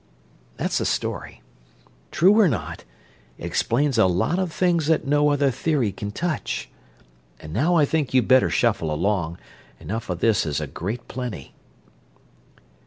That's the story. True or not, it explains a lot of things that no other theory can touch. And now I think you'd better shuffle along; enough of this is a great plenty!"